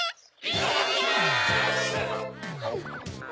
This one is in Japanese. いただきます！